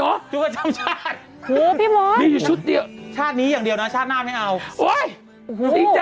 โอ้โฮเตะรุนแว่นมากคุณแม่